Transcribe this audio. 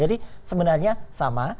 jadi sebenarnya sama